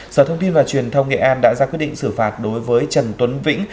sở thông tin và truyền thông nghệ an đã ra quyết định xử phạt đối với trần tuấn vĩnh